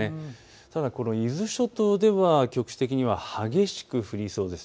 ただ伊豆諸島では局地的には激しく降りそうです。